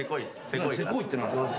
せこいって何すか？